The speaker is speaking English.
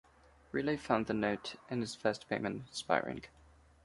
Riley found the note and his first payment inspiring.